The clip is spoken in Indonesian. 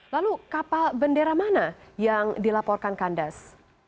lalu kapal bendera mana yang dilaporkan kandas